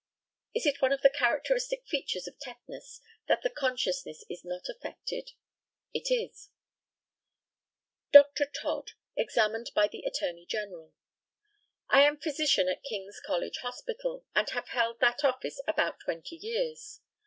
Is it one of the characteristic features of tetanus that the consciousness is not affected? It is. Dr. TODD, examined by the ATTORNEY GENERAL: I am physician at King's College Hospital, and have held that office about twenty years.